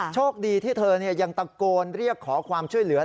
โชคดีที่เธอยังตะโกนเรียกขอความช่วยเหลือ